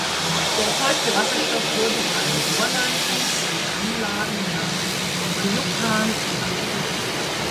Der erzeugte Wasserstoff wurde über eine Rohrleitung zu den Anlagen nach Rjukan transportiert.